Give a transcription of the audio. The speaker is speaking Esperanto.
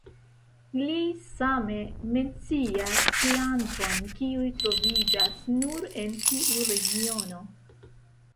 Li same mencias plantojn kiuj troviĝas nur en tiu regiono.